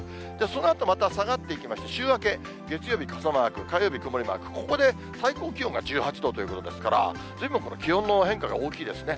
そのあとまた下がっていきまして、週明け月曜日、傘マーク、火曜日、曇りマーク、ここで最高気温が１８度ということですから、ずいぶん気温の変化が大きいですね。